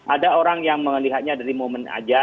ada orang yang melihatnya dari momen aja